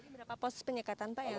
berapa pos penyekatan